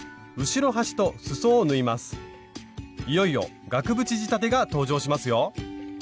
いよいよ額縁仕立てが登場しますよ！